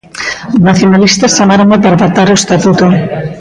Os nacionalistas chamáronme para pactar o estatuto.